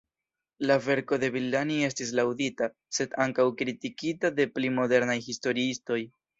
La verko de Villani estis laŭdita, sed ankaŭ kritikita de pli modernaj historiistoj.